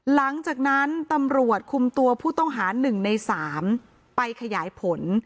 หลังจากนั้นตำรวจคุมตัวผู้ต้องหา๑ใน๓ไปขยายผล